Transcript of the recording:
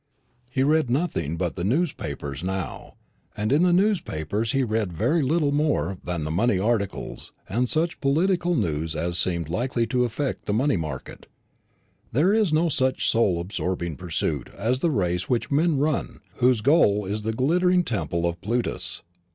He read nothing but the newspapers now, and in the newspapers he read very little more than the money articles and such political news as seemed likely to affect the money market. There is no such soul absorbing pursuit as the race which men run whose goal is the glittering Temple of Plutus.